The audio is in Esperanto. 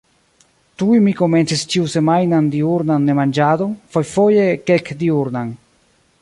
Tuj mi komencis ĉiusemajnan diurnan nemanĝadon, fojfoje kelkdiurnan.